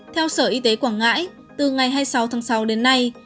theo sở y tế quảng ngãi từ ngày hai mươi sáu tháng sáu đến nay